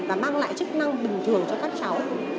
và mang lại chức năng bình thường cho các cháu